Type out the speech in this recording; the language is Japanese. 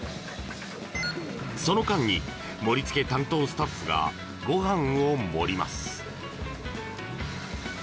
その間に盛り付け担当スタッフがご飯を盛ります。